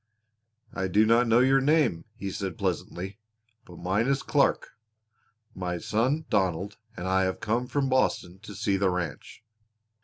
"I do not know your name," he said pleasantly, "but mine is Clark. My son Donald and I have come from Boston to see the ranch."